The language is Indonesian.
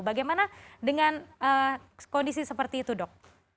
bagaimana dengan kondisi seperti itu dok